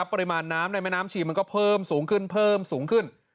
ปริมาณน้ำในแม่น้ำชีมันเพิ่มสูงขึ้น